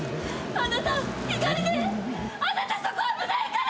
あなたそこ危ないから！